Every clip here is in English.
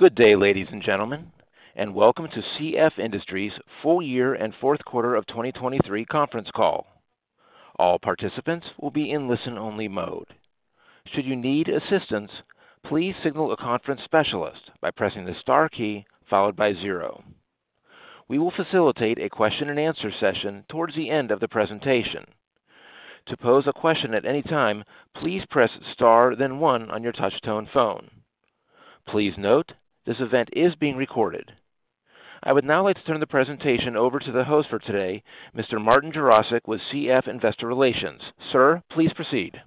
Good day, ladies and gentlemen, and welcome to CF Industries' full year and fourth quarter of 2023 conference call. All participants will be in listen-only mode. Should you need assistance, please signal a conference specialist by "pressing the star key followed by zero". We will facilitate a question-and-answer session towards the end of the presentation. To pose a question at any time, "please press star then one" on your touch-tone phone. Please note, this event is being recorded. I would now like to turn the presentation over to the host for today, Mr. Martin Jarosick with CF Investor Relations. Sir, please proceed.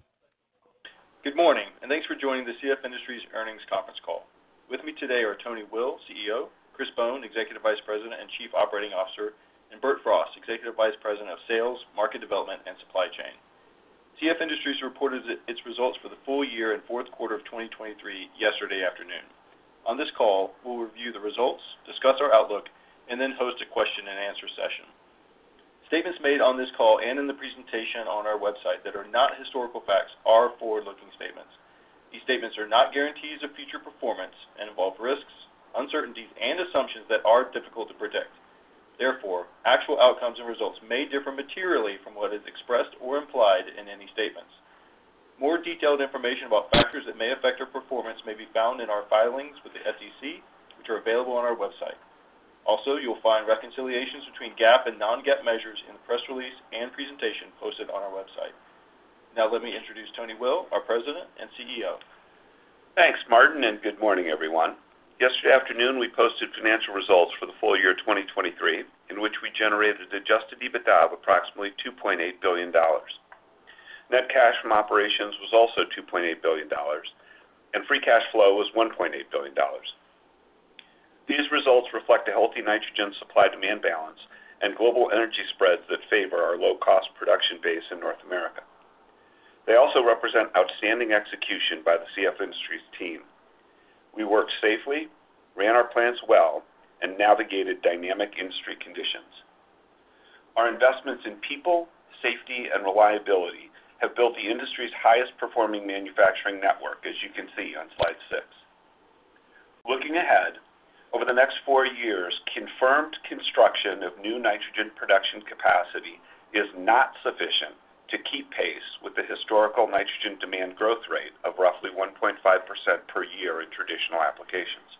Good morning, and thanks for joining the CF Industries earnings conference call. With me today are Tony Will, CEO, Chris Bohn, Executive Vice President and Chief Operating Officer, and Bert Frost, Executive Vice President of Sales, Market Development, and Supply Chain. CF Industries reported its results for the full year and fourth quarter of 2023 yesterday afternoon. On this call, we'll review the results, discuss our outlook, and then host a question-and-answer session. Statements made on this call and in the presentation on our website that are not historical facts are forward-looking statements. These statements are not guarantees of future performance and involve risks, uncertainties, and assumptions that are difficult to predict. Therefore, actual outcomes and results may differ materially from what is expressed or implied in any statements. More detailed information about factors that may affect our performance may be found in our filings with the SEC, which are available on our website. Also, you'll find reconciliations between GAAP and non-GAAP measures in the press release and presentation posted on our website. Now let me introduce Tony Will, our President and CEO. Thanks, Martin, and good morning, everyone. Yesterday afternoon we posted financial results for the full year 2023, in which we generated Adjusted EBITDA of approximately $2.8 billion. Net cash from operations was also $2.8 billion, and free cash flow was $1.8 billion. These results reflect a healthy nitrogen supply-demand balance and global energy spreads that favor our low-cost production base in North America. They also represent outstanding execution by the CF Industries team. We worked safely, ran our plants well, and navigated dynamic industry conditions. Our investments in people, safety, and reliability have built the industry's highest-performing manufacturing network, as you can see on slide 6. Looking ahead, over the next four years, confirmed construction of new nitrogen production capacity is not sufficient to keep pace with the historical nitrogen demand growth rate of roughly 1.5% per year in traditional applications.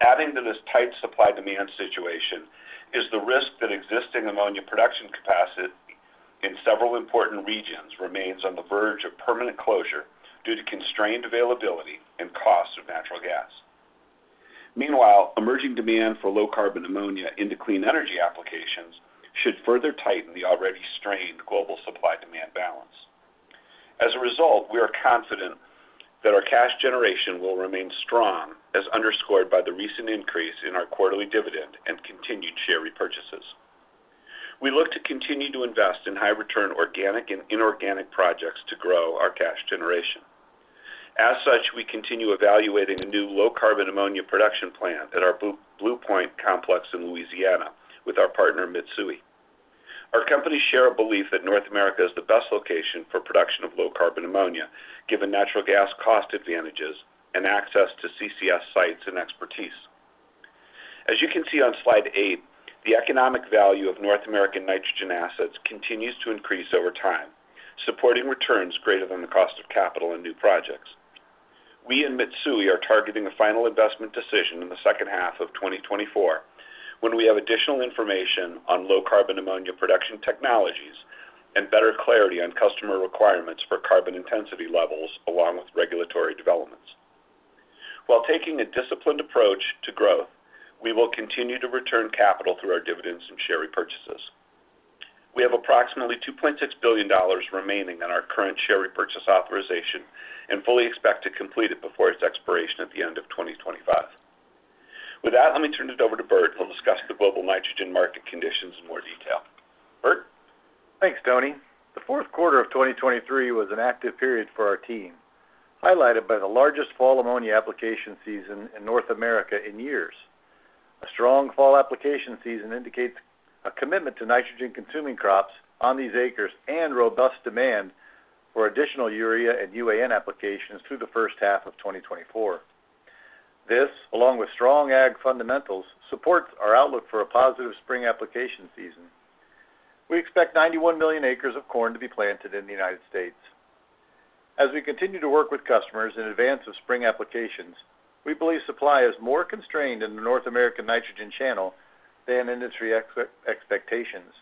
Adding to this tight supply-demand situation is the risk that existing ammonia production capacity in several important regions remains on the verge of permanent closure due to constrained availability and cost of natural gas. Meanwhile, emerging demand for low-carbon ammonia into clean energy applications should further tighten the already strained global supply-demand balance. As a result, we are confident that our cash generation will remain strong, as underscored by the recent increase in our quarterly dividend and continued share repurchases. We look to continue to invest in high-return organic and inorganic projects to grow our cash generation. As such, we continue evaluating a new low-carbon ammonia production plant at our Blue Point Complex in Louisiana with our partner Mitsui. Our companies share a belief that North America is the best location for production of low-carbon ammonia, given natural gas cost advantages and access to CCS sites and expertise. As you can see on slide 8, the economic value of North American nitrogen assets continues to increase over time, supporting returns greater than the cost of capital in new projects. We in Mitsui are targeting a final investment decision in the second half of 2024 when we have additional information on low-carbon ammonia production technologies and better clarity on customer requirements for carbon intensity levels along with regulatory developments. While taking a disciplined approach to growth, we will continue to return capital through our dividends and share repurchases. We have approximately $2.6 billion remaining on our current share repurchase authorization and fully expect to complete it before its expiration at the end of 2025. With that, let me turn it over to Bert, who'll discuss the global nitrogen market conditions in more detail. Bert? Thanks, Tony. The fourth quarter of 2023 was an active period for our team, highlighted by the largest fall ammonia application season in North America in years. A strong fall application season indicates a commitment to nitrogen-consuming crops on these acres and robust demand for additional urea and UAN applications through the first half of 2024. This, along with strong ag fundamentals, supports our outlook for a positive spring application season. We expect 91 million acres of corn to be planted in the United States. As we continue to work with customers in advance of spring applications, we believe supply is more constrained in the North American nitrogen channel than industry expectations.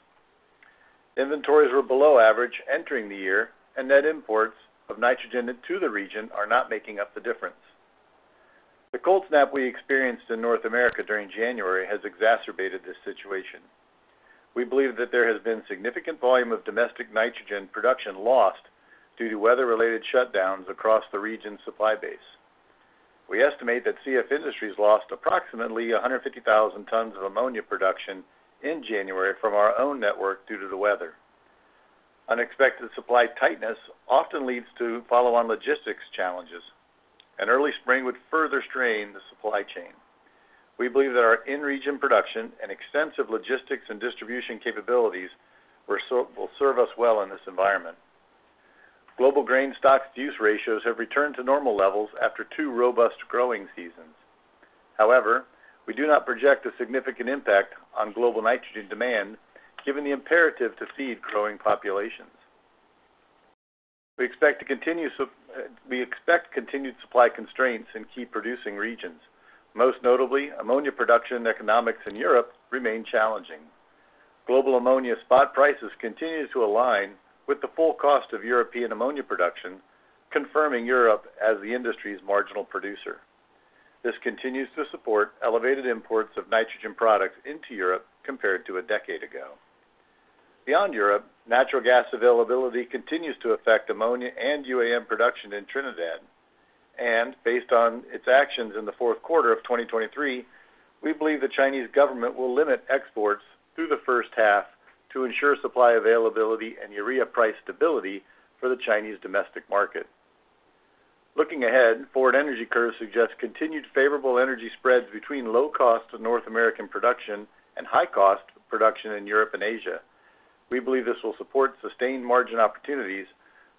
Inventories were below average entering the year, and net imports of nitrogen into the region are not making up the difference. The cold snap we experienced in North America during January has exacerbated this situation. We believe that there has been significant volume of domestic nitrogen production lost due to weather-related shutdowns across the region's supply base. We estimate that CF Industries lost approximately 150,000 tons of ammonia production in January from our own network due to the weather. Unexpected supply tightness often leads to follow-on logistics challenges, and early spring would further strain the supply chain. We believe that our in-region production and extensive logistics and distribution capabilities will serve us well in this environment. Global grain stock use ratios have returned to normal levels after two robust growing seasons. However, we do not project a significant impact on global nitrogen demand, given the imperative to feed growing populations. We expect continued supply constraints in key producing regions, most notably ammonia production economics in Europe, remain challenging. Global ammonia spot prices continue to align with the full cost of European ammonia production, confirming Europe as the industry's marginal producer. This continues to support elevated imports of nitrogen products into Europe compared to a decade ago. Beyond Europe, natural gas availability continues to affect ammonia and UAN production in Trinidad. And based on its actions in the fourth quarter of 2023, we believe the Chinese government will limit exports through the first half to ensure supply availability and urea price stability for the Chinese domestic market. Looking ahead, forward energy curves suggest continued favorable energy spreads between low-cost North American production and high-cost production in Europe and Asia. We believe this will support sustained margin opportunities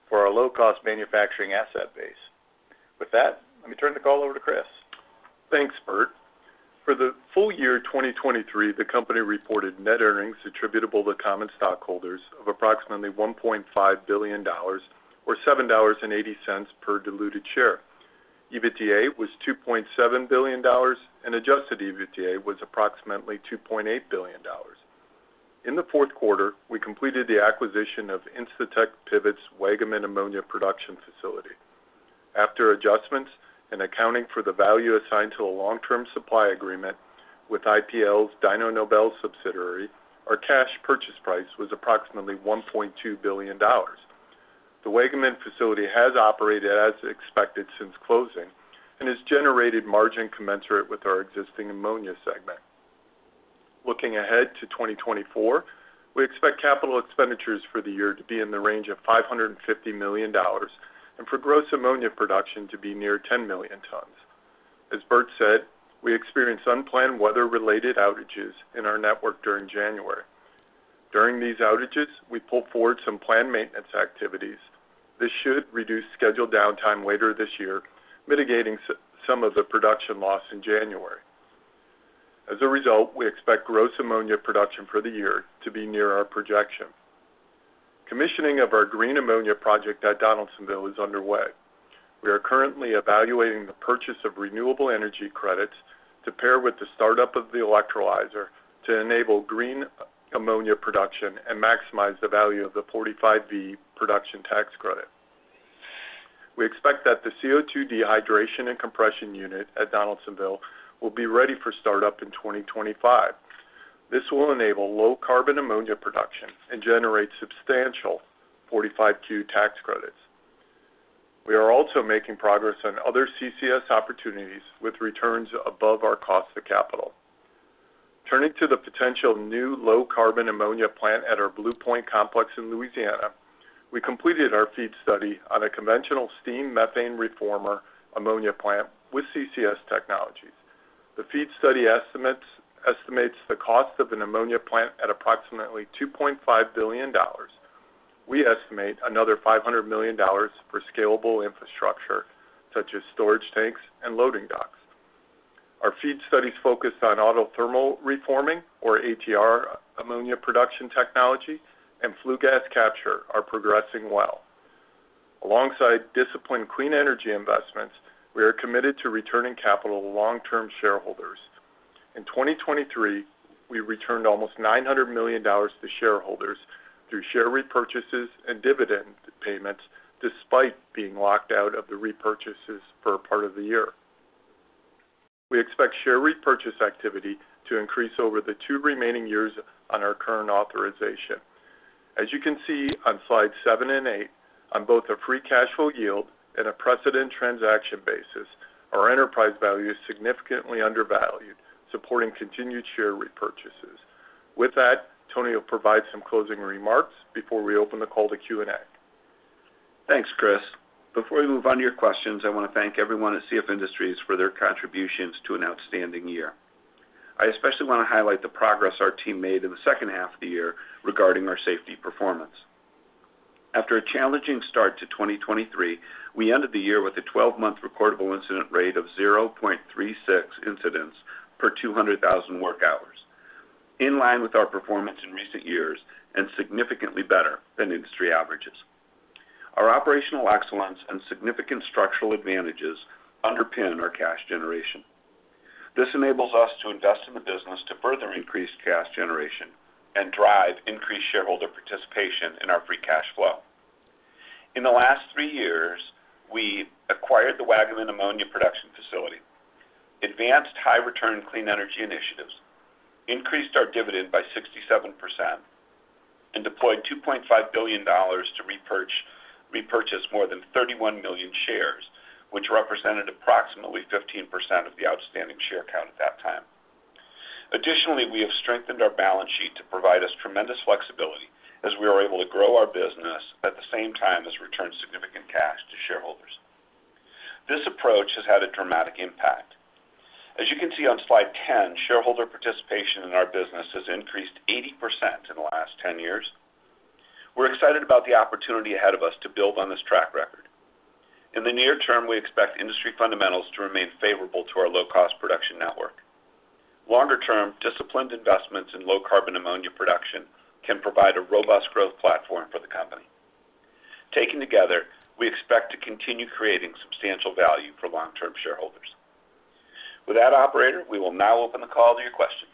for our low-cost manufacturing asset base. With that, let me turn the call over to Chris. Thanks, Bert. For the full year 2023, the company reported net earnings attributable to common stockholders of approximately $1.5 billion, or $7.80 per diluted share. EBITDA was $2.7 billion, and adjusted EBITDA was approximately $2.8 billion. In the fourth quarter, we completed the acquisition of Incitec Pivot's Waggaman ammonia production facility. After adjustments and accounting for the value assigned to a long-term supply agreement with IPL's Dyno Nobel subsidiary, our cash purchase price was approximately $1.2 billion. The Waggaman facility has operated as expected since closing and has generated margin commensurate with our existing ammonia segment. Looking ahead to 2024, we expect capital expenditures for the year to be in the range of $550 million and for gross ammonia production to be near 10 million tons. As Bert said, we experienced unplanned weather-related outages in our network during January. During these outages, we pulled forward some planned maintenance activities. This should reduce scheduled downtime later this year, mitigating some of the production loss in January. As a result, we expect gross ammonia production for the year to be near our projection. Commissioning of our Green Ammonia project at Donaldsonville is underway. We are currently evaluating the purchase of renewable energy credits to pair with the startup of the electrolyzer to enable Green Ammonia production and maximize the value of the 45V Production Tax Credit. We expect that the CO2 Dehydration and Compression Unit at Donaldsonville will be ready for startup in 2025. This will enable low-carbon ammonia production and generate substantial 45Q Tax Credits. We are also making progress on other CCS opportunities with returns above our cost of capital. Turning to the potential new low-carbon ammonia plant at our Blue Point Complex in Louisiana, we completed our FEED study on a conventional steam-methane reformer ammonia plant with CCS technologies. The FEED study estimates the cost of an ammonia plant at approximately $2.5 billion. We estimate another $500 million for scalable infrastructure, such as storage tanks and loading docks. Our FEED studies focused on autothermal reforming, or ATR, ammonia production technology, and flue gas capture are progressing well. Alongside disciplined clean energy investments, we are committed to returning capital to long-term shareholders. In 2023, we returned almost $900 million to shareholders through share repurchases and dividend payments, despite being locked out of the repurchases for a part of the year. We expect share repurchase activity to increase over the two remaining years on our current authorization. As you can see on slides seven and eight, on both a free cash flow yield and a precedent transaction basis, our enterprise value is significantly undervalued, supporting continued share repurchases. With that, Tony will provide some closing remarks before we open the call to Q&A. Thanks, Chris. Before we move on to your questions, I want to thank everyone at CF Industries for their contributions to an outstanding year. I especially want to highlight the progress our team made in the second half of the year regarding our safety performance. After a challenging start to 2023, we ended the year with a 12-month Recordable Incident Rate of 0.36 incidents per 200,000 work hours, in line with our performance in recent years and significantly better than industry averages. Our operational excellence and significant structural advantages underpin our cash generation. This enables us to invest in the business to further increase cash generation and drive increased shareholder participation in our free cash flow. In the last three years, we acquired the Waggaman ammonia production facility, advanced high-return clean energy initiatives, increased our dividend by 67%, and deployed $2.5 billion to repurchase more than 31 million shares, which represented approximately 15% of the outstanding share count at that time. Additionally, we have strengthened our balance sheet to provide us tremendous flexibility as we are able to grow our business at the same time as return significant cash to shareholders. This approach has had a dramatic impact. As you can see on slide 10, shareholder participation in our business has increased 80% in the last 10 years. We're excited about the opportunity ahead of us to build on this track record. In the near term, we expect industry fundamentals to remain favorable to our low-cost production network. Longer term, disciplined investments in low-carbon ammonia production can provide a robust growth platform for the company. Taken together, we expect to continue creating substantial value for long-term shareholders. With that, operator, we will now open the call to your questions.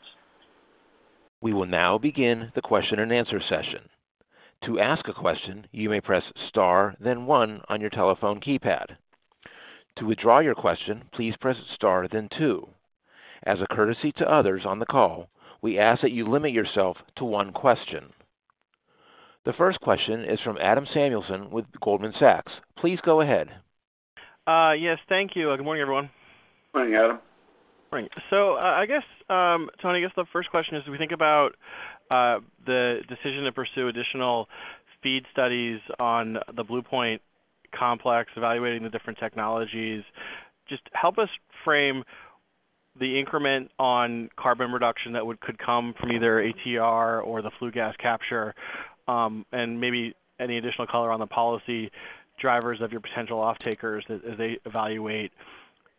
We will now begin the question and answer session. To ask a question, you may "press star then one" on your telephone keypad. To withdraw your question, "please press star then two". As a courtesy to others on the call, we ask that you limit yourself to one question. The first question is from Adam Samuelson with Goldman Sachs. Please go ahead. Yes, thank you. Good morning, everyone. Morning, Adam. So, I guess, Tony, I guess the first question is, when we think about the decision to pursue additional FEED studies on the Blue Point Complex, evaluating the different technologies. Just help us frame the increment on carbon reduction that could come from either ATR or the flue gas capture, and maybe any additional color on the policy drivers of your potential off-takers as they evaluate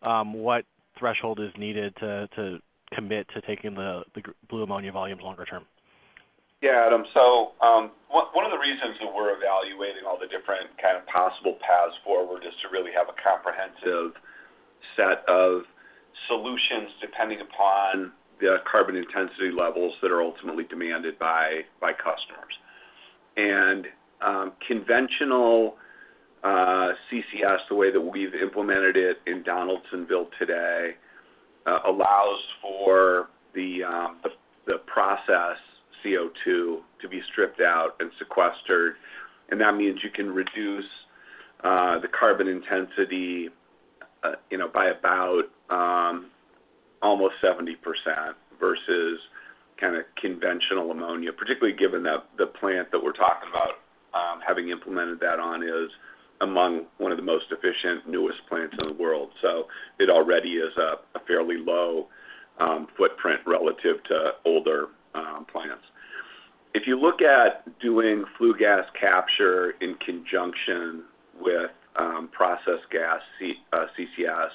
what threshold is needed to commit to taking the blue ammonia volumes longer term. Yeah, Adam. So one of the reasons that we're evaluating all the different kind of possible paths forward is to really have a comprehensive set of solutions depending upon the carbon intensity levels that are ultimately demanded by customers. And conventional CCS, the way that we've implemented it in Donaldsonville today, allows for the process CO2 to be stripped out and sequestered. And that means you can reduce the carbon intensity by about almost 70% versus kind of conventional ammonia, particularly given that the plant that we're talking about having implemented that on is among one of the most efficient, newest plants in the world. So it already is a fairly low footprint relative to older plants. If you look at doing flue gas capture in conjunction with processed gas CCS,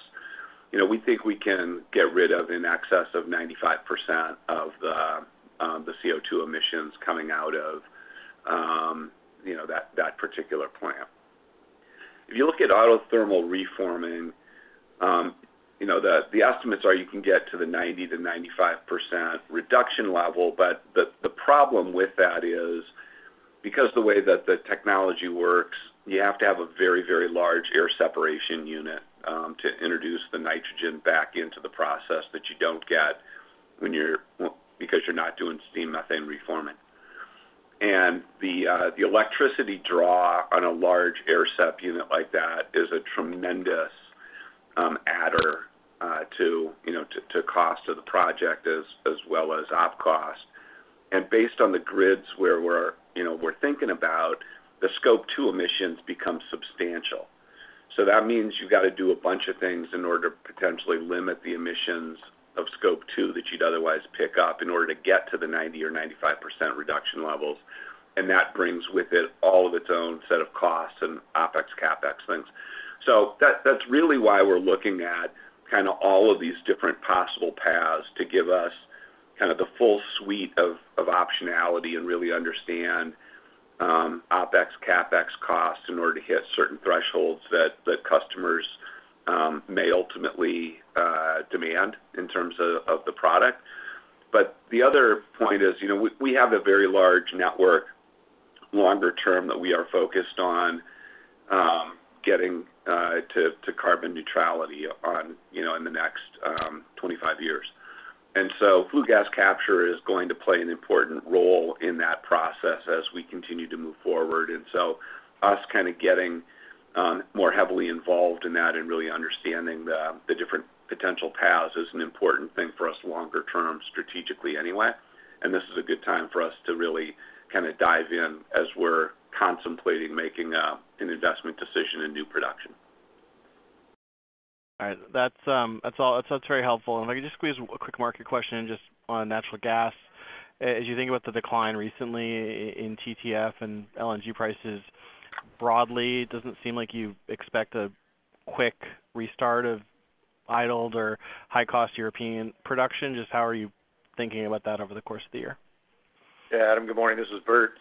we think we can get rid of an excess of 95% of the CO2 emissions coming out of that particular plant. If you look at autothermal reforming, the estimates are you can get to the 90%-95% reduction level. But the problem with that is, because of the way that the technology works, you have to have a very, very large air separation unit to introduce the nitrogen back into the process that you don't get because you're not doing steam-methane reforming. And the electricity draw on a large air-sep unit like that is a tremendous add-on to cost of the project as well as op cost. And based on the grids where we're thinking about, the Scope 2 emissions become substantial. So that means you've got to do a bunch of things in order to potentially limit the emissions of Scope 2 that you'd otherwise pick up in order to get to the 90% or 95% reduction levels. And that brings with it all of its own set of costs and OPEX, CAPEX things. So that's really why we're looking at kind of all of these different possible paths to give us kind of the full suite of optionality and really understand OPEX, CAPEX costs in order to hit certain thresholds that customers may ultimately demand in terms of the product. But the other point is, we have a very large network longer term that we are focused on getting to carbon neutrality in the next 25 years. And so Flue Gas Capture is going to play an important role in that process as we continue to move forward. And so us kind of getting more heavily involved in that and really understanding the different potential paths is an important thing for us longer term strategically anyway. This is a good time for us to really kind of dive in as we're contemplating making an investment decision in new production. All right. That's very helpful. If I could just squeeze a quick market question just on natural gas. As you think about the decline recently in TTF and LNG prices broadly, it doesn't seem like you expect a quick restart of idled or high-cost European production. Just how are you thinking about that over the course of the year? Yeah, Adam. Good morning. This is Bert.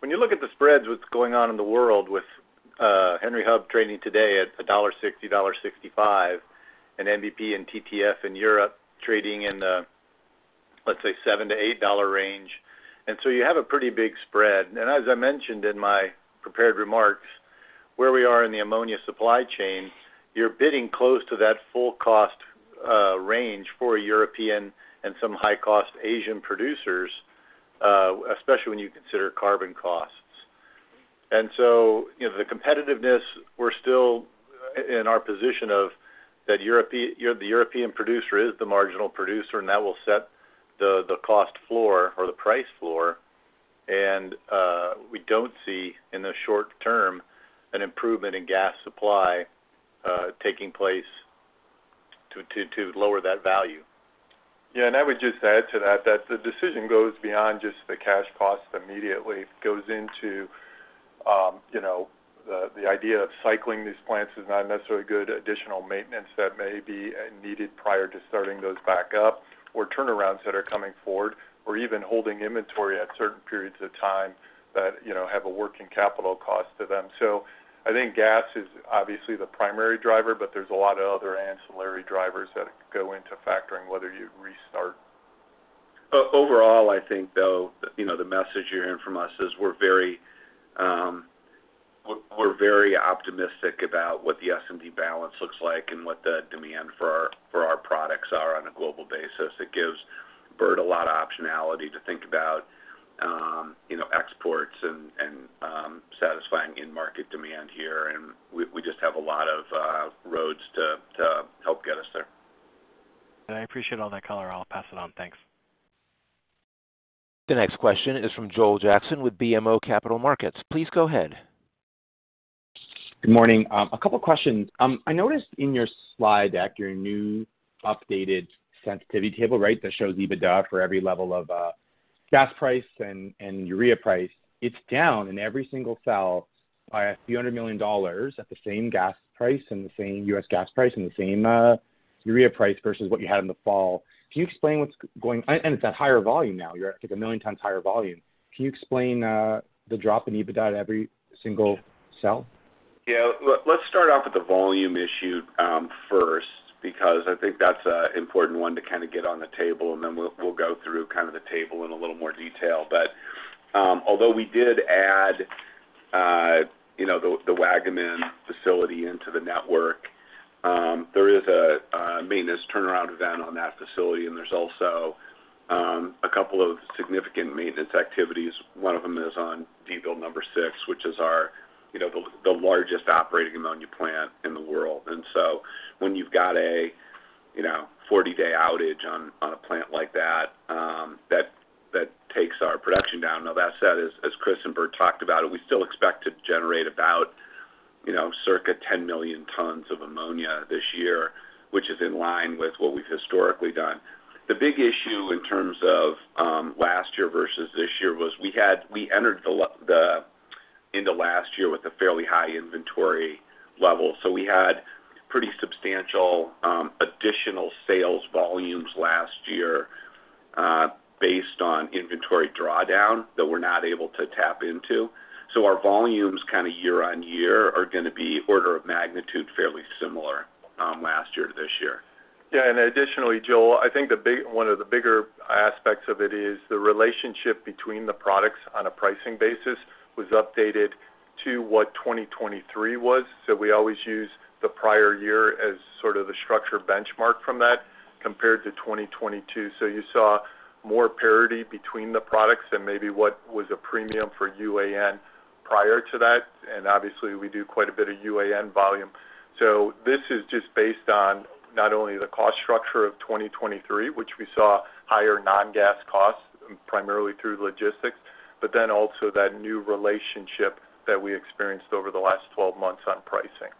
When you look at the spreads, what's going on in the world with Henry Hub trading today at $1.60-$1.65, and NBP and TTF in Europe trading in the, let's say, $7-$8 range. So you have a pretty big spread. And as I mentioned in my prepared remarks, where we are in the ammonia supply chain, you're bidding close to that full-cost range for European and some high-cost Asian producers, especially when you consider carbon costs. So the competitiveness, we're still in our position of that the European producer is the marginal producer, and that will set the cost floor or the price floor. And we don't see, in the short term, an improvement in gas supply taking place to lower that value. Yeah. And I would just add to that that the decision goes beyond just the cash costs immediately. It goes into the idea of cycling these plants is not necessarily good. Additional maintenance that may be needed prior to starting those back up or turnarounds that are coming forward or even holding inventory at certain periods of time that have a working capital cost to them. So I think gas is obviously the primary driver, but there's a lot of other ancillary drivers that go into factoring whether you'd restart. Overall, I think, though, the message you're hearing from us is we're very optimistic about what the S&D balance looks like and what the demand for our products are on a global basis. It gives Bert a lot of optionality to think about exports and satisfying in-market demand here. We just have a lot of roads to help get us there. I appreciate all that color. I'll pass it on. Thanks. The next question is from Joel Jackson with BMO Capital Markets. Please go ahead. Good morning. A couple of questions. I noticed in your slide deck, your new updated sensitivity table, right, that shows EBITDA for every level of gas price and urea price, it's down in every single cell by $a few hundred million at the same gas price and the same U.S. gas price and the same urea price versus what you had in the fall. Can you explain what's going and it's at higher volume now. You're at 1 million tons higher volume. Can you explain the drop in EBITDA at every single cell? Yeah. Let's start off with the volume issue first because I think that's an important one to kind of get on the table, and then we'll go through kind of the table in a little more detail. But although we did add the Waggaman facility into the network, there is a maintenance turnaround event on that facility, and there's also a couple of significant maintenance activities. One of them is on Donaldsonville number six, which is the largest operating ammonia plant in the world. And so when you've got a 40-day outage on a plant like that, that takes our production down. Now, that said, as Chris and Bert talked about it, we still expect to generate about circa 10 million tons of ammonia this year, which is in line with what we've historically done. The big issue in terms of last year versus this year was we entered into last year with a fairly high inventory level. So we had pretty substantial additional sales volumes last year based on inventory drawdown that we're not able to tap into. So our volumes kind of year on year are going to be order of magnitude fairly similar last year to this year. Yeah. And additionally, Joel, I think one of the bigger aspects of it is the relationship between the products on a pricing basis was updated to what 2023 was. So we always use the prior year as sort of the structure benchmark from that compared to 2022. So you saw more parity between the products and maybe what was a premium for UAN prior to that. And obviously, we do quite a bit of UAN volume. So this is just based on not only the cost structure of 2023, which we saw higher non-gas costs primarily through logistics, but then also that new relationship that we experienced over the last 12 months on pricing.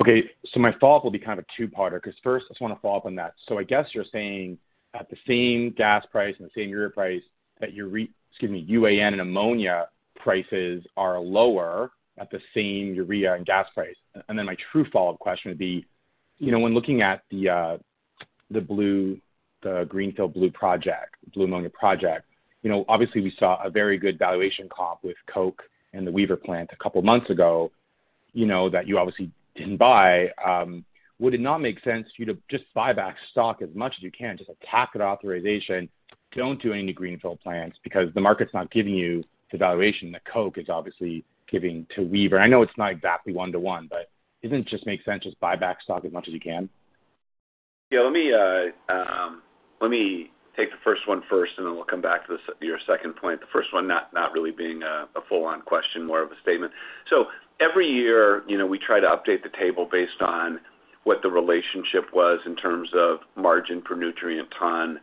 Okay. So my follow-up will be kind of a two-parter because first, I just want to follow up on that. So I guess you're saying at the same gas price and the same urea price that your excuse me, UAN and ammonia prices are lower at the same urea and gas price. And then my true follow-up question would be, when looking at the greenfield blue project, Blue Ammonia project, obviously, we saw a very good valuation comp with Koch and the Wever plant a couple of months ago that you obviously didn't buy. Would it not make sense for you to just buy back stock as much as you can, just act on an authorization, don't do any to greenfield plants because the market's not giving you the valuation that Koch is obviously giving to Wever? I know it's not exactly one-to-one, but doesn't it just make sense just buy back stock as much as you can? Yeah. Let me take the first one first, and then we'll come back to your second point. The first one not really being a full-on question, more of a statement. So every year, we try to update the table based on what the relationship was in terms of margin per nutrient ton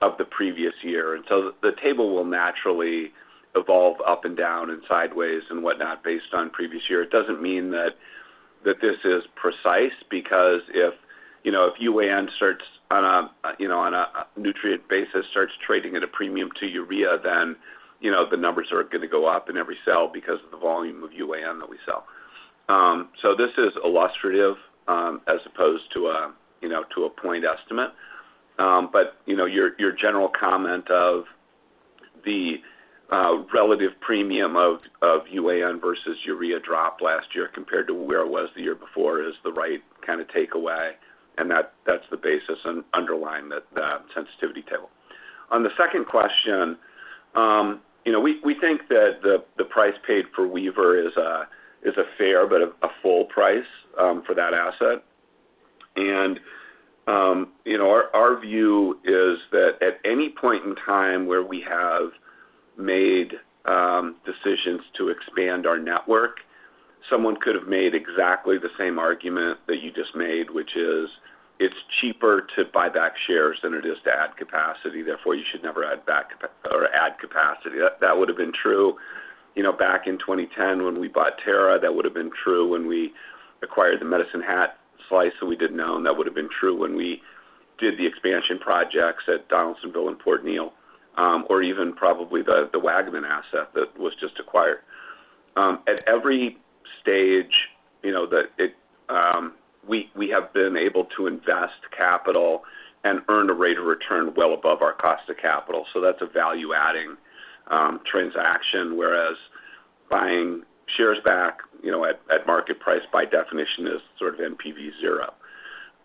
of the previous year. And so the table will naturally evolve up and down and sideways and whatnot based on previous year. It doesn't mean that this is precise because if UAN starts on a nutrient basis, starts trading at a premium to urea, then the numbers are going to go up in every cell because of the volume of UAN that we sell. So this is illustrative as opposed to a point estimate. But your general comment of the relative premium of UAN versus urea drop last year compared to where it was the year before is the right kind of takeaway. And that's the basis and underlying that sensitivity table. On the second question, we think that the price paid for Waggaman is a fair but a full price for that asset. And our view is that at any point in time where we have made decisions to expand our network, someone could have made exactly the same argument that you just made, which is it's cheaper to buy back shares than it is to add capacity. Therefore, you should never add capacity. That would have been true back in 2010 when we bought Terra. That would have been true when we acquired the Medicine Hat slice that we didn't own. That would have been true when we did the expansion projects at Donaldsonville and Port Neal or even probably the Waggaman asset that was just acquired. At every stage, we have been able to invest capital and earn a rate of return well above our cost of capital. So that's a value-adding transaction, whereas buying shares back at market price, by definition, is sort of NPV zero.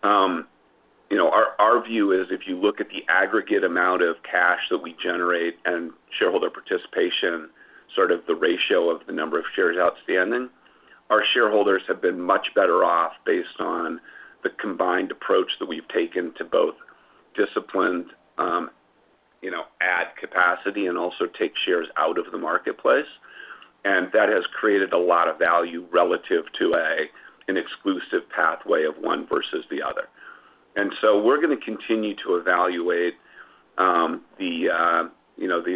Our view is if you look at the aggregate amount of cash that we generate and shareholder participation, sort of the ratio of the number of shares outstanding, our shareholders have been much better off based on the combined approach that we've taken to both disciplined, add capacity, and also take shares out of the marketplace. And that has created a lot of value relative to an exclusive pathway of one versus the other. So we're going to continue to evaluate the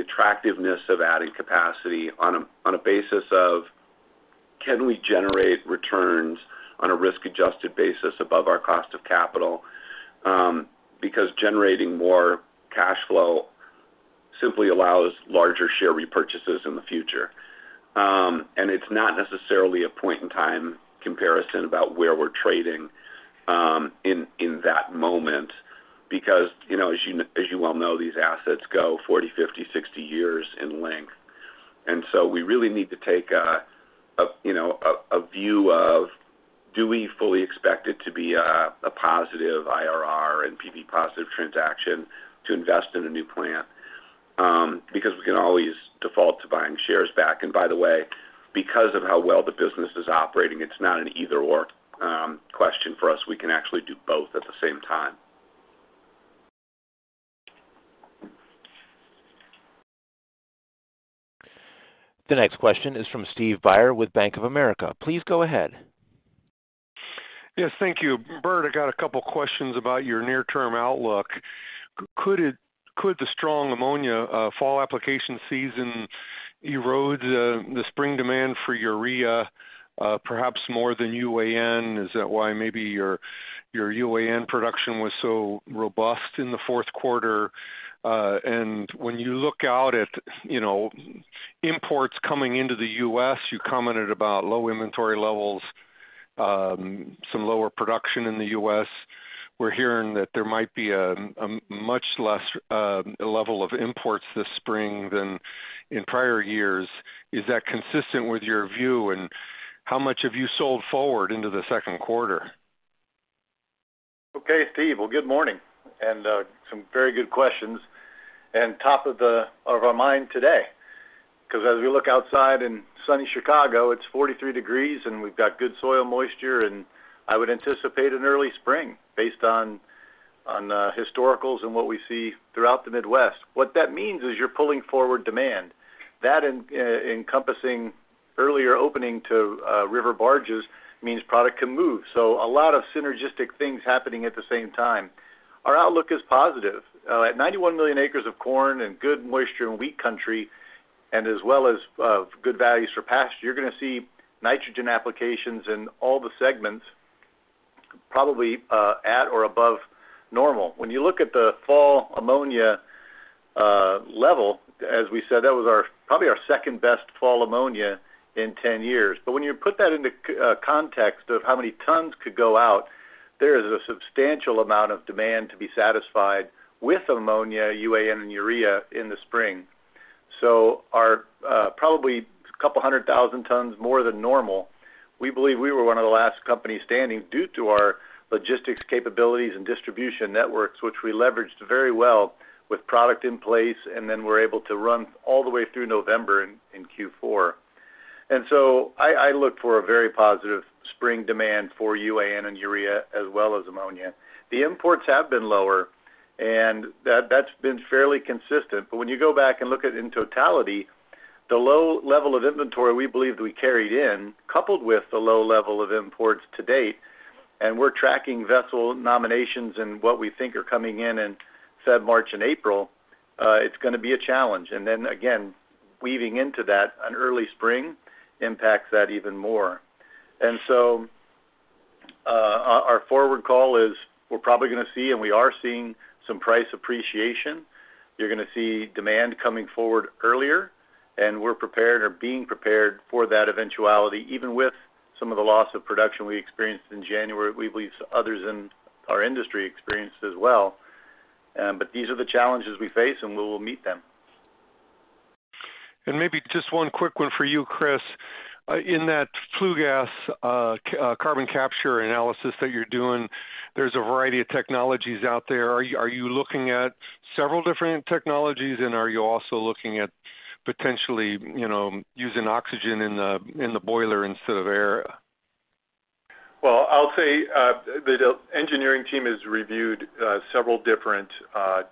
attractiveness of adding capacity on a basis of can we generate returns on a risk-adjusted basis above our cost of capital because generating more cash flow simply allows larger share repurchases in the future. It's not necessarily a point-in-time comparison about where we're trading in that moment because, as you well know, these assets go 40, 50, 60 years in length. So we really need to take a view of do we fully expect it to be a positive IRR and PV positive transaction to invest in a new plant because we can always default to buying shares back. By the way, because of how well the business is operating, it's not an either/or question for us. We can actually do both at the same time. The next question is from Steve Byrne with Bank of America. Please go ahead. Yes. Thank you. Bert, I got a couple of questions about your near-term outlook. Could the strong ammonia fall application season erode the spring demand for urea perhaps more than UAN? Is that why maybe your UAN production was so robust in the fourth quarter? And when you look out at imports coming into the U.S., you commented about low inventory levels, some lower production in the U.S. We're hearing that there might be a much less level of imports this spring than in prior years. Is that consistent with your view? And how much have you sold forward into the second quarter? Okay, Steve. Well, good morning and some very good questions and top of our mind today because as we look outside in sunny Chicago, it's 43 degrees, and we've got good soil moisture. I would anticipate an early spring based on historicals and what we see throughout the Midwest. What that means is you're pulling forward demand. That, encompassing earlier opening to river barges, means product can move. A lot of synergistic things happening at the same time. Our outlook is positive. At 91 million acres of corn and good moisture in wheat country and as well as good values for pasture, you're going to see nitrogen applications in all the segments probably at or above normal. When you look at the fall ammonia level, as we said, that was probably our second-best fall ammonia in 10 years. When you put that into context of how many tons could go out, there is a substantial amount of demand to be satisfied with ammonia, UAN, and urea in the spring. Probably 200,000 tons more than normal. We believe we were one of the last companies standing due to our logistics capabilities and distribution networks, which we leveraged very well with product in place. Then we're able to run all the way through November in Q4. So I look for a very positive spring demand for UAN and urea as well as ammonia. The imports have been lower, and that's been fairly consistent. But when you go back and look at it in totality, the low level of inventory we believe that we carried in coupled with the low level of imports to date and we're tracking vessel nominations and what we think are coming in in Feb, March, and April, it's going to be a challenge. Then again, weaving into that, an early spring impacts that even more. And so our forward call is we're probably going to see, and we are seeing some price appreciation. You're going to see demand coming forward earlier. We're prepared or being prepared for that eventuality, even with some of the loss of production we experienced in January; we believe others in our industry experienced as well. But these are the challenges we face, and we will meet them. Maybe just one quick one for you, Chris. In that flue gas carbon capture analysis that you're doing, there's a variety of technologies out there. Are you looking at several different technologies, and are you also looking at potentially using oxygen in the boiler instead of air? Well, I'll say the engineering team has reviewed several different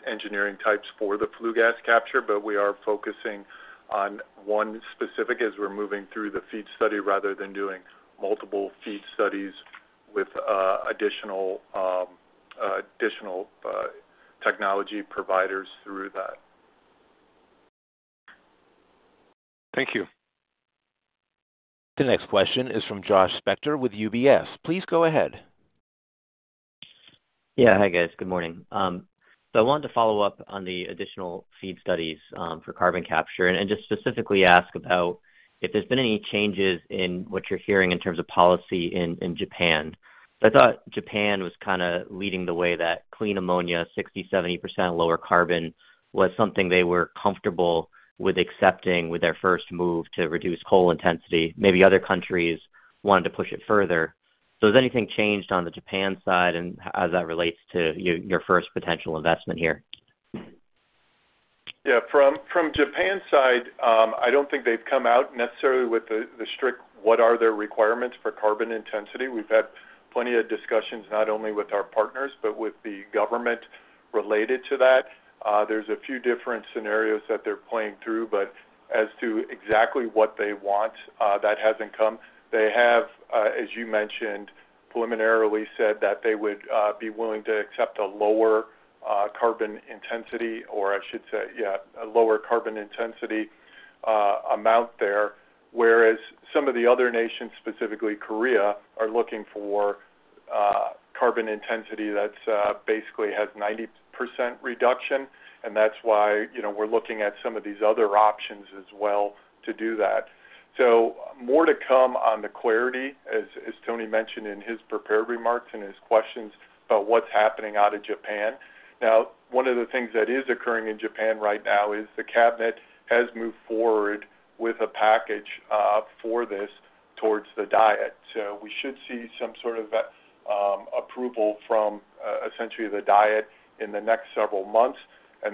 engineering types for the Flue Gas Capture, but we are focusing on one specific as we're moving through the FEED study rather than doing multiple FEED studies with additional technology providers through that. Thank you. The next question is from Josh Spector with UBS. Please go ahead. Yeah. Hi, guys. Good morning. So I wanted to follow up on the additional FEED studies for carbon capture and just specifically ask about if there's been any changes in what you're hearing in terms of policy in Japan. I thought Japan was kind of leading the way that clean ammonia, 60%-70% lower carbon, was something they were comfortable with accepting with their first move to reduce coal intensity. Maybe other countries wanted to push it further. So has anything changed on the Japan side as that relates to your first potential investment here? Yeah. From Japan's side, I don't think they've come out necessarily with the strict what are their requirements for carbon intensity. We've had plenty of discussions not only with our partners but with the government related to that. There's a few different scenarios that they're playing through. But as to exactly what they want, that hasn't come. They have, as you mentioned, preliminarily said that they would be willing to accept a lower carbon intensity or I should say, yeah, a lower carbon intensity amount there, whereas some of the other nations, specifically Korea, are looking for carbon intensity that basically has 90% reduction. And that's why we're looking at some of these other options as well to do that. So more to come on the clarity as Tony mentioned in his prepared remarks and his questions about what's happening out of Japan. Now, one of the things that is occurring in Japan right now is the Cabinet has moved forward with a package for this toward the Diet. We should see some sort of approval from essentially the Diet in the next several months.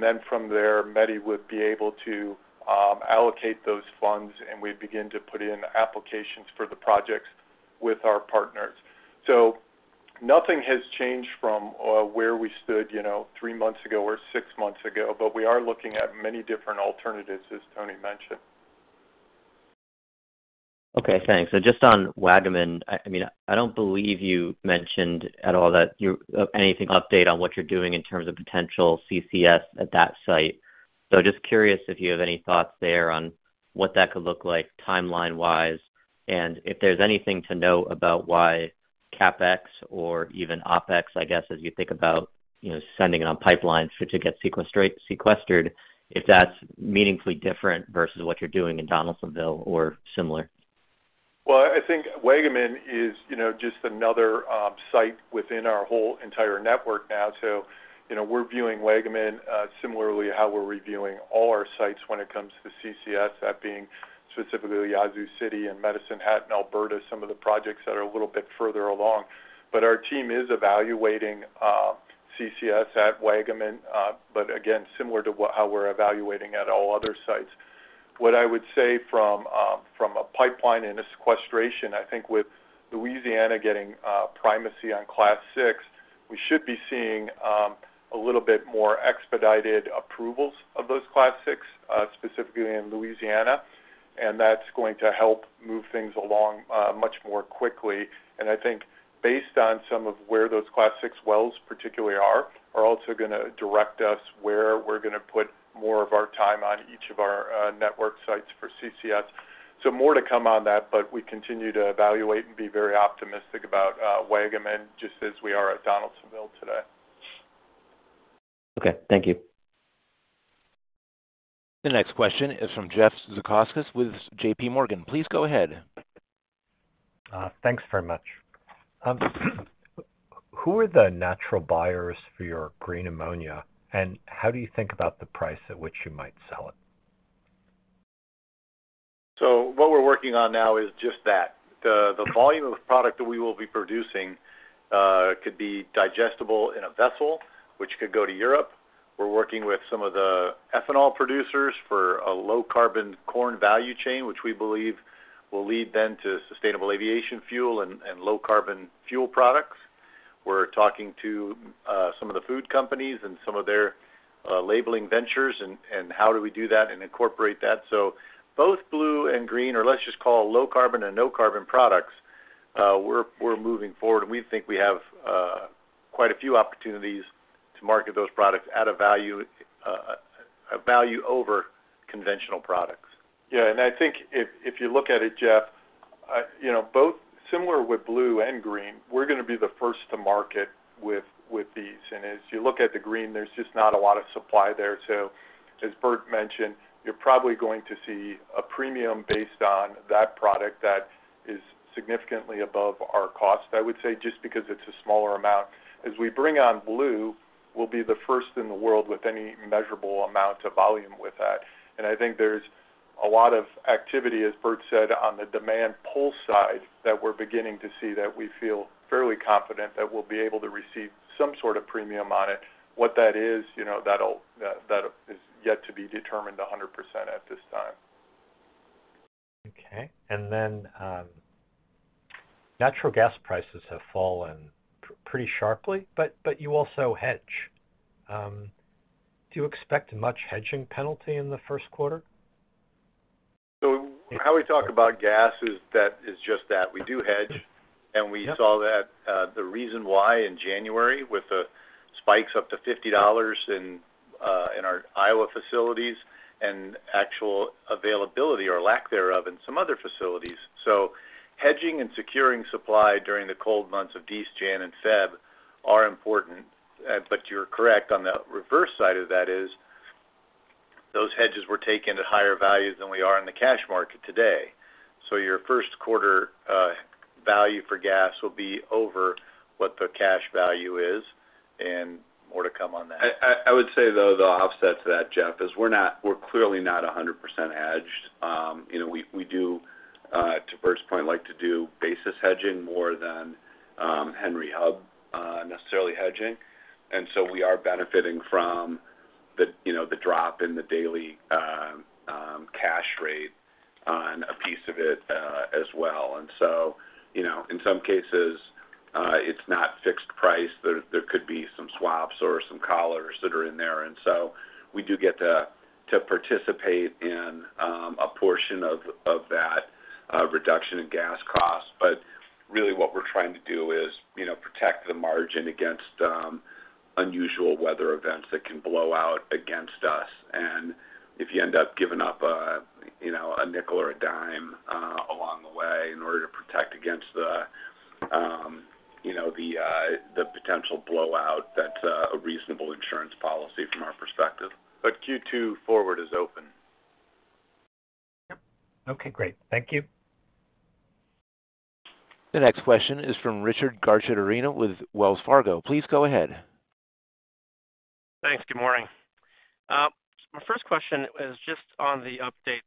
Then from there, METI would be able to allocate those funds, and we'd begin to put in applications for the projects with our partners. Nothing has changed from where we stood three months ago or six months ago, but we are looking at many different alternatives, as Tony mentioned. Okay. Thanks. So just on Waggaman, I mean, I don't believe you mentioned at all anything update on what you're doing in terms of potential CCS at that site. So just curious if you have any thoughts there on what that could look like timeline-wise and if there's anything to know about why CapEx or even OpEx, I guess, as you think about sending it on pipelines to get sequestered, if that's meaningfully different versus what you're doing in Donaldsonville or similar. Well, I think Waggaman is just another site within our whole entire network now. So we're viewing Waggaman similarly to how we're reviewing all our sites when it comes to CCS, that being specifically Yazoo City and Medicine Hat in Alberta, some of the projects that are a little bit further along. But our team is evaluating CCS at Waggaman, but again, similar to how we're evaluating at all other sites. What I would say from a pipeline and a sequestration, I think with Louisiana getting primacy on Class VI, we should be seeing a little bit more expedited approvals of those Class VI, specifically in Louisiana. And that's going to help move things along much more quickly. I think based on some of where those Class VI wells particularly are, are also going to direct us where we're going to put more of our time on each of our network sites for CCS. More to come on that, but we continue to evaluate and be very optimistic about Waggaman just as we are at Donaldsonville today. Okay. Thank you. The next question is from Jeff Zekauskas with J.P. Morgan. Please go ahead. Thanks very much. Who are the natural buyers for your green ammonia, and how do you think about the price at which you might sell it? What we're working on now is just that. The volume of product that we will be producing could be digestible in a vessel, which could go to Europe. We're working with some of the ethanol producers for a low-carbon corn value chain, which we believe will lead then to sustainable aviation fuel and low-carbon fuel products. We're talking to some of the food companies and some of their labeling ventures and how do we do that and incorporate that. Both blue and green, or let's just call low-carbon and no-carbon products, we're moving forward. We think we have quite a few opportunities to market those products at a value over conventional products. Yeah. I think if you look at it, Jeff, similar with blue and green, we're going to be the first to market with these. As you look at the green, there's just not a lot of supply there. So as Bert mentioned, you're probably going to see a premium based on that product that is significantly above our cost, I would say, just because it's a smaller amount. As we bring on blue, we'll be the first in the world with any measurable amount of volume with that. I think there's a lot of activity, as Bert said, on the demand pull side that we're beginning to see that we feel fairly confident that we'll be able to receive some sort of premium on it. What that is, that is yet to be determined 100% at this time. Okay. And then natural gas prices have fallen pretty sharply, but you also hedge. Do you expect much hedging penalty in the first quarter? So how we talk about gas is just that. We do hedge. And we saw the reason why in January with spikes up to $50 in our Iowa facilities and actual availability or lack thereof in some other facilities. So hedging and securing supply during the cold months of December, January, and February are important. But you're correct. On the reverse side of that is those hedges were taken at higher values than we are in the cash market today. So your first quarter value for gas will be over what the cash value is. And more to come on that. I would say, though, the offset to that, Jeff, is we're clearly not 100% hedged. We do, to Bert's point, like to do basis hedging more than Henry Hub necessarily hedging. And so we are benefiting from the drop in the daily cash rate on a piece of it as well. And so in some cases, it's not fixed price. There could be some swaps or some collars that are in there. And so we do get to participate in a portion of that reduction in gas costs. But really, what we're trying to do is protect the margin against unusual weather events that can blow out against us. And if you end up giving up a nickel or a dime along the way in order to protect against the potential blowout, that's a reasonable insurance policy from our perspective. Q2 forward is open. Yep. Okay. Great. Thank you. The next question is from Richard Garchitorena with Wells Fargo. Please go ahead. Thanks. Good morning. My first question is just on the update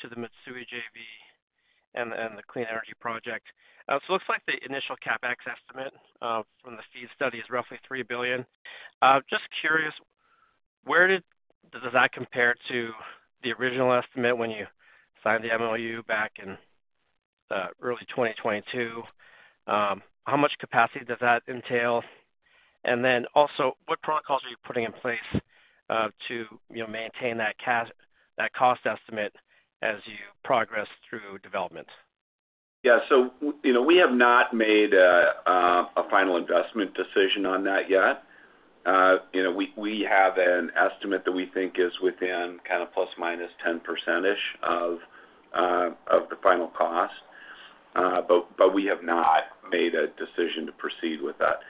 to the Mitsui JV and the clean energy project. So it looks like the initial CapEx estimate from the FEED study is roughly $3 billion. Just curious, does that compare to the original estimate when you signed the MOU back in early 2022? How much capacity does that entail? And then also, what protocols are you putting in place to maintain that cost estimate as you progress through development? Yeah. So we have not made a final investment decision on that yet. We have an estimate that we think is within kind of ±10%-ish of the final cost, but we have not made a decision to proceed with that.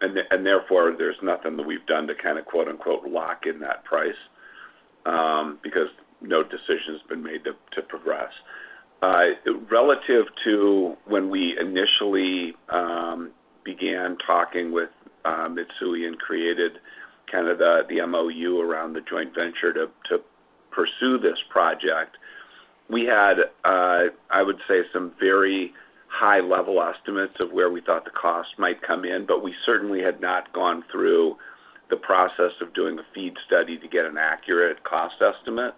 And therefore, there's nothing that we've done to kind of "lock in" that price because no decision has been made to progress. Relative to when we initially began talking with Mitsui and created kind of the MOU around the joint venture to pursue this project, we had, I would say, some very high-level estimates of where we thought the cost might come in. But we certainly had not gone through the process of doing a FEED study to get an accurate cost estimate.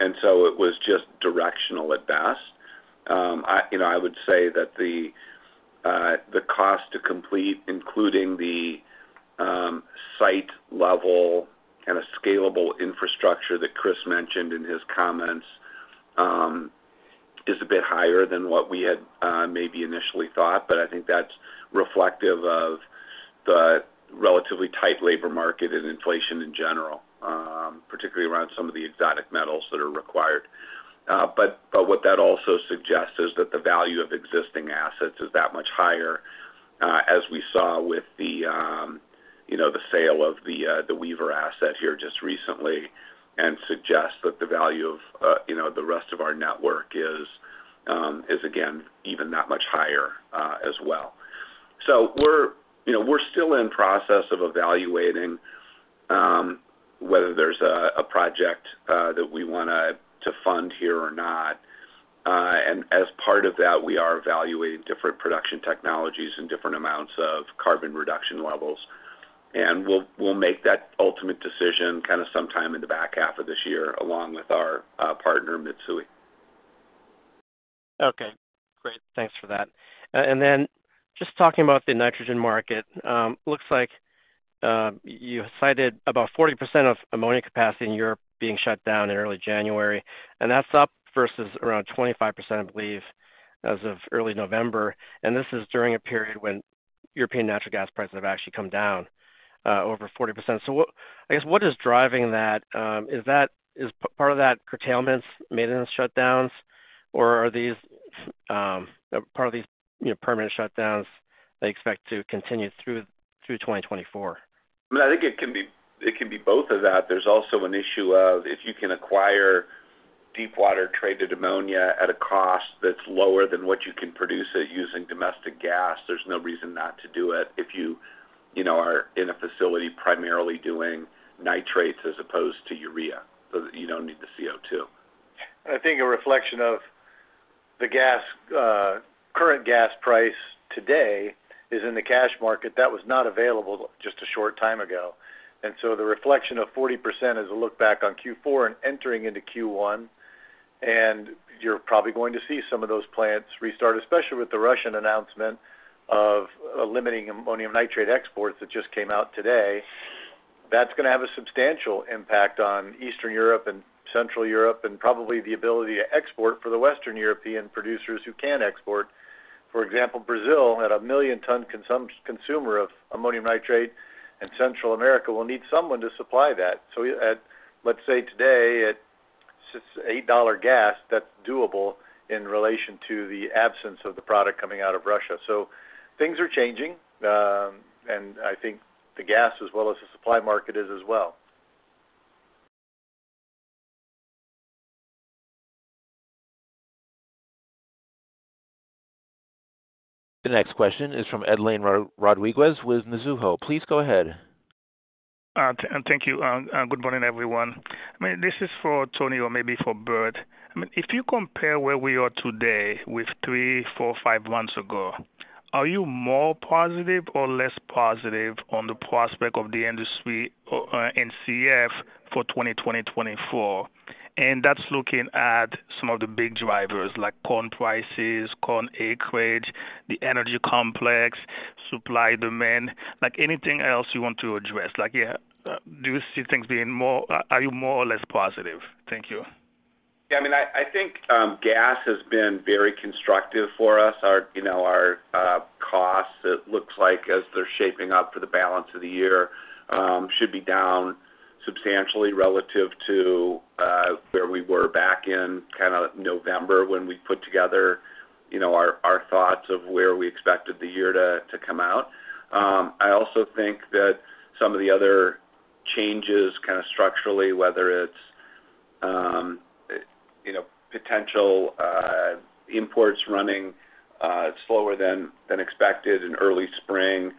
And so it was just directional at best. I would say that the cost to complete, including the site-level kind of scalable infrastructure that Chris mentioned in his comments, is a bit higher than what we had maybe initially thought. But I think that's reflective of the relatively tight labor market and inflation in general, particularly around some of the exotic metals that are required. But what that also suggests is that the value of existing assets is that much higher as we saw with the sale of the Wever asset here just recently and suggests that the value of the rest of our network is, again, even that much higher as well. So we're still in process of evaluating whether there's a project that we want to fund here or not. And as part of that, we are evaluating different production technologies and different amounts of carbon reduction levels. We'll make that ultimate decision kind of sometime in the back half of this year along with our partner, Mitsui. Okay. Great. Thanks for that. And then just talking about the nitrogen market, it looks like you cited about 40% of ammonia capacity in Europe being shut down in early January. And that's up versus around 25%, I believe, as of early November. And this is during a period when European natural gas prices have actually come down over 40%. So I guess what is driving that? Is part of that curtailments, maintenance shutdowns, or are part of these permanent shutdowns they expect to continue through 2024? I mean, I think it can be both of that. There's also an issue of if you can acquire deepwater-traded ammonia at a cost that's lower than what you can produce it using domestic gas, there's no reason not to do it if you are in a facility primarily doing nitrates as opposed to urea so that you don't need the CO2. I think a reflection of the current gas price today is in the cash market that was not available just a short time ago. So the reflection of 40% is a look back on Q4 and entering into Q1. And you're probably going to see some of those plants restart, especially with the Russian announcement of limiting ammonium nitrate exports that just came out today. That's going to have a substantial impact on Eastern Europe and Central Europe and probably the ability to export for the Western European producers who can export. For example, Brazil, a 1 million-ton consumer of ammonium nitrate, and Central America will need someone to supply that. So let's say today, at $8 gas, that's doable in relation to the absence of the product coming out of Russia. So things are changing. I think the gas, as well as the supply market, is as well. The next question is from Edlain Rodriguez with Mizuho. Please go ahead. Thank you. Good morning, everyone. I mean, this is for Tony or maybe for Bert. I mean, if you compare where we are today with 3, 4, 5 months ago, are you more positive or less positive on the prospect of the industry and CF for 2020-2024? And that's looking at some of the big drivers like corn prices, corn acreage, the energy complex, supply demand, anything else you want to address. Do you see things being more? Are you more or less positive? Thank you. Yeah. I mean, I think gas has been very constructive for us. Our costs, it looks like, as they're shaping up for the balance of the year, should be down substantially relative to where we were back in kind of November when we put together our thoughts of where we expected the year to come out. I also think that some of the other changes kind of structurally, whether it's potential imports running slower than expected in early spring,